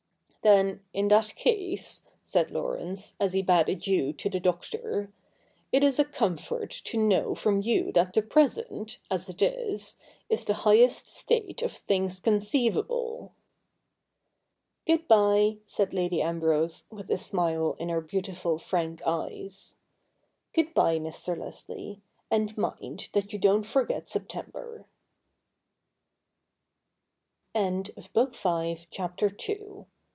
Then in that case,' said Laurence, as he bade adieu to the Doctor, ' it is a comfort to know from you that the Present, as it is, is the highest state of things con ceivable.' ' Good bye,' said Lady Ambrose, with a smile in her beautiful frank eyes. ' Good bye, Mr. Leslie, and mind that you don't forget September.' THE END. Spottiswoode ^ Co.